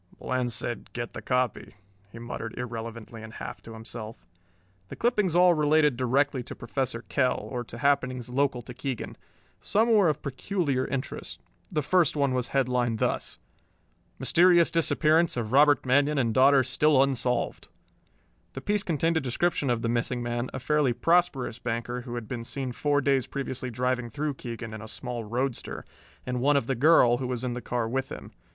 "Bland said, 'Get the copy'," he muttered irrelevantly and half to himself. The clippings all related directly to Professor Kell or to happenings local to Keegan. Some were of peculiar interest. The first one was headlined thus: MYSTERIOUS DISAPPEARANCE OF ROBERT MANION AND DAUGHTER STILL UNSOLVED The piece contained a description of the missing man, a fairly prosperous banker who had been seen four days previously driving through Keegan in a small roadster, and one of the girl, who was in the car with him.